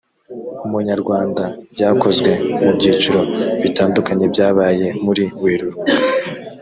umunyarwanda byakozwe mu byiciro bitandukanye byabaye muri werurwe